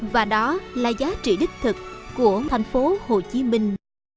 và đó là giá trị đích thực của thành phố hồ chí minh